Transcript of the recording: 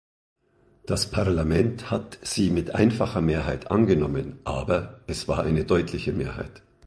Das Parlament hat sie mit einfacher Mehrheit angenommen, aber es war eine deutliche Mehrheit.